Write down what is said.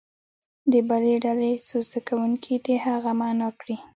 د بلې ډلې څو زده کوونکي دې هغه معنا کړي.